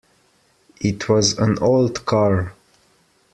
It was an old car.